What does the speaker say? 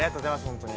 本当に。